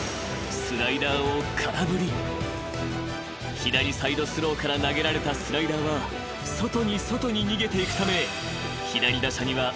［左サイドスローから投げられたスライダーは外に外に］